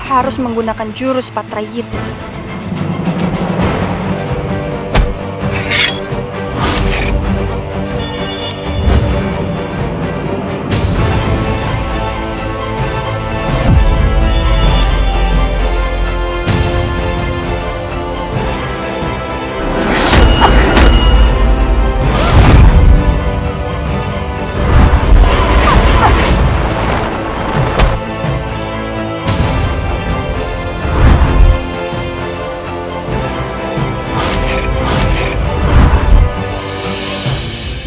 harus menggunakan jurus patra yidni